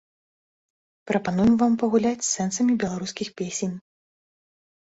Прапануем вам пагуляць з сэнсамі беларускіх песень.